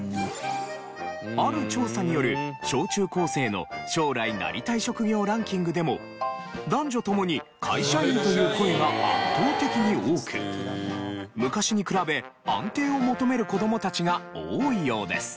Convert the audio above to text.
ある調査による小中高生の将来なりたい職業ランキングでも男女共に会社員という声が圧倒的に多く昔に比べ安定を求める子供たちが多いようです。